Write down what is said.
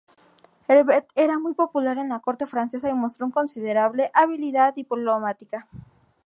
Herbert era muy popular en la corte francesa y mostró una considerable habilidad diplomática.